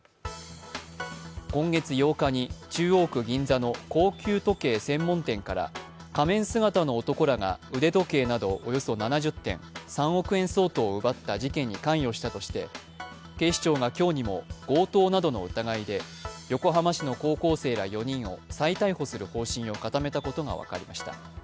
今月８日に、中央区銀座の高級時計専門店から、仮面姿の男らが腕時計などおよそ７０点、３億円相当を奪った事件に関与したとして、警視庁が今日にも強盗などの疑いで横浜市の高校生ら４人を再逮捕する方針を固めたことが分かりました。